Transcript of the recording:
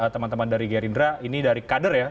teman teman dari gerindra ini dari kader ya